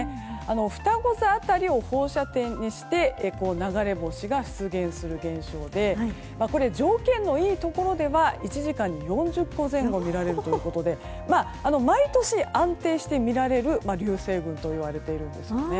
ふたご座辺りを放射点にして流れ星が出現する現象で条件のいいところでは１時間に４０個前後見られるということで毎年安定して見られる流星群といわれているんですね。